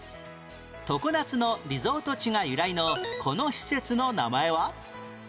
常夏のリゾート地が由来のこの施設の名前は？